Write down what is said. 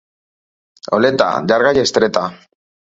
Oleta, llarga i estreta.